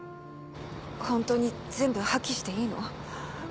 ホントに全部破棄していいの？